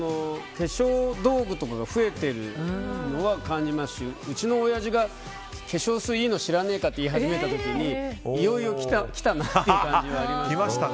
化粧道具とかが増えているのは感じますしうちのおやじが化粧水いいの知らねえかって言い始めた時にいよいよ来たなと感じました。